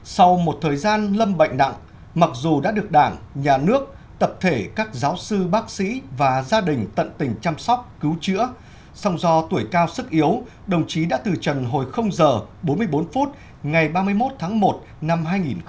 sau một thời gian lâm bệnh nặng mặc dù đã được đảng nhà nước tập thể các giáo sư bác sĩ và gia đình tận tình chăm sóc cứu chữa song do tuổi cao sức yếu đồng chí đã từ trần hồi h bốn mươi bốn phút ngày ba mươi một tháng một năm hai nghìn một mươi chín